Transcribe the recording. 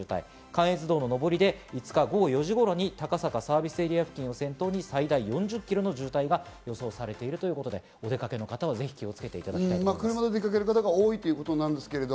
関越道の上りで５日の午後４時頃、高坂サービスエリア付近を先頭に最大４０キロの渋滞が予想されているということで、お出かけの方はぜひご注意いただきたいと思います。